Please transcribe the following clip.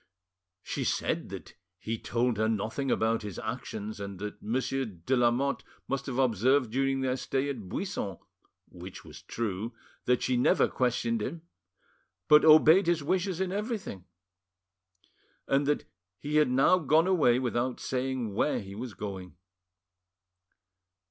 She said that he told her nothing about his actions, and that Monsieur de Lamotte must have observed during their stay at Buisson (which was true) that she never questioned him, but obeyed his wishes in everything; and that he had now gone away without saying where he was going.